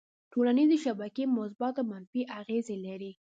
ټولنیزې شبکې مثبت او منفي اغېزې لري.